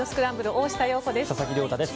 大下容子です。